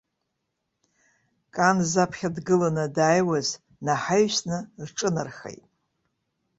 Кан заԥхьа дгыланы дааиуаз наҳаҩсны рҿынархеит.